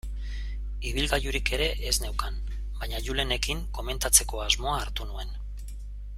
Ibilgailurik ere ez neukan, baina Julenekin komentatzeko asmoa hartu nuen.